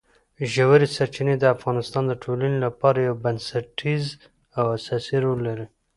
ژورې سرچینې د افغانستان د ټولنې لپاره یو بنسټیز او اساسي رول لري.